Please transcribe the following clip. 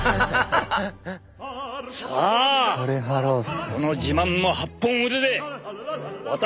さあその自慢の８本腕で私を守るのだ！